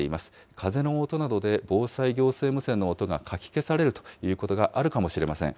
風の音などで防災行政無線の音がかき消されるということがあるかもしれません。